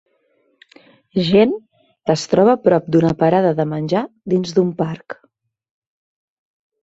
Gent que es troba a prop d'una parada de menjar dins d'un parc